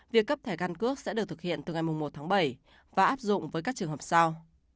việc cấp thẻ căn cước sẽ được thực hiện từ ngày một tháng bảy và áp dụng với các trường hợp sau